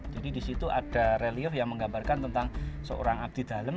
jadi disitu ada relief yang menggambarkan tentang seorang abdi dalem